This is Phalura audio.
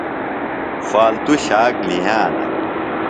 فالتُو شاک لِھیانہ۔